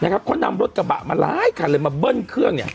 เขานำรถกระบะมาหลายคันเลยมาเบิ้ลเครื่อง